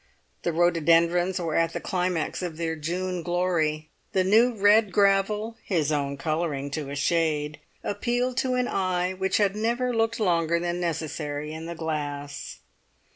The rhododendrons were at the climax of their June glory. The new red gravel (his own colouring to a shade) appealed to an eye which had never looked longer than necessary in the glass.